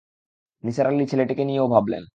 নিসার আলি ছেলেটিকে নিয়েও ভাবলেন।